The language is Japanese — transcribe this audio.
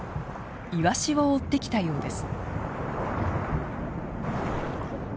イワシを追ってきたようです。